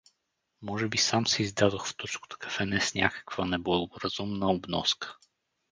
Може би сам се издадох в турското кафене с някаква неблагоразумна обноска.